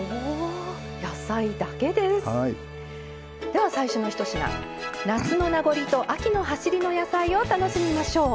では最初の１品夏の名残と秋のはしりの野菜を楽しみましょう。